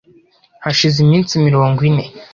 Hashize iminsi mirongo ine